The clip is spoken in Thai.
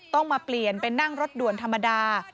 ต้องมาเปลี่ยนเป็นนั่งรถด่วนธรรมดา